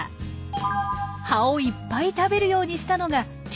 葉をいっぱい食べるようにしたのがキャベツです。